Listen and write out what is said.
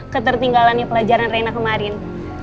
ketertinggalan pelajaran rena kemarin